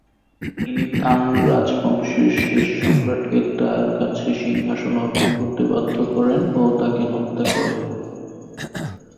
তিনি তাং রাজবংশের শেষ সম্রাটকে তার কাছে সিংহাসন অর্পণ করতে বাধ্য করেন এবং তাকে হত্যা করে।